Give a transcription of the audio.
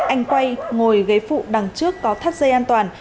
anh quay ngồi ghế phụ đằng trước có thắt dây an toàn